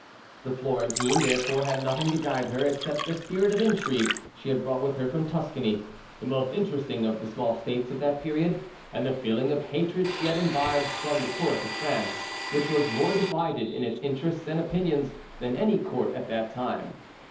The Florentine, therefore, had nothing to guide her except the spirit of intrigue she had brought with her from Tuscany, the most interesting of the small states of that period, and the feeling of hatred she had imbibed from the court of France, which was more divided in its interests and opinions than any court at that time.